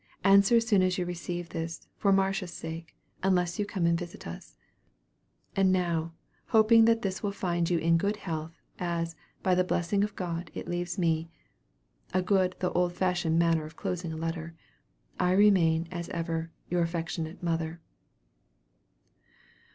Answer as soon as you receive this, for Marcia's sake, unless you come and visit us. "And now, hoping that this will find you in good health, as, by the blessing of God, it leaves me, (a good though an old fashioned manner of closing a letter,) I remain as ever, "Your affectionate mother."